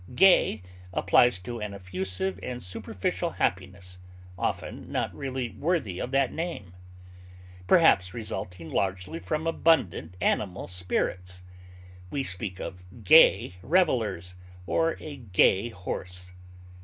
Gay applies to an effusive and superficial happiness (often not really worthy of that name) perhaps resulting largely from abundant animal spirits: we speak of gay revelers or a gay horse.